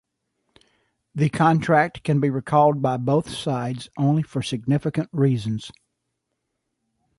The contract can be recalled by both sides only for significant reasons.